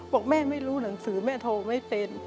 บอกแม่ไม่รู้หนังสือแม่โทรไม่เป็น